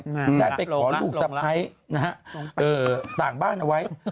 ลงละลงละลงละแต่ไปขอลูกสะพ้ายนะฮะต่างบ้านเอาไว้